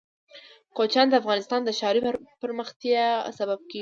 کوچیان د افغانستان د ښاري پراختیا سبب کېږي.